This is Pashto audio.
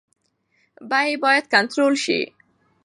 بیې باید کنټرول شي.